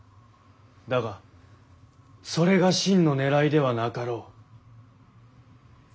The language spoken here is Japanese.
だがそれが真のねらいではなかろう。